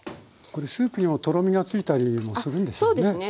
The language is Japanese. これスープにもとろみがついたりもするんですよね。